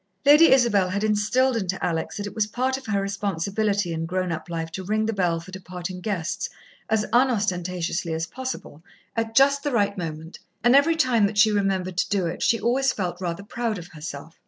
Lady Isabel had instilled into Alex that it was part of her responsibility in grown up life to ring the bell for departing guests, as unostentatiously as possible, at just the right moment, and every time that she remembered to do it, she always felt rather proud of herself.